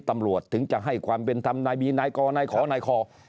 ถึงจะให้ความเป็นธรรมนายบีนายกอนายขอนายคอ